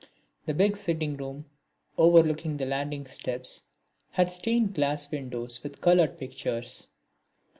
The big sitting room overlooking the landing steps had stained glass windows with coloured pictures.